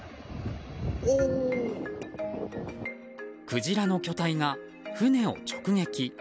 クジラの巨体が船を直撃。